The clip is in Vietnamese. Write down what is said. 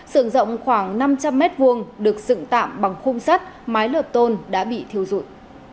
sưởng rộng khoảng năm trăm linh m hai được dựng tạm bằng khung sắt máy lợp tôn đã bị thiêu rụi